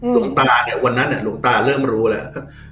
ลูกตาเนี่ยวันนั้นเนี่ยลูกตาเริ่มรู้แล้ว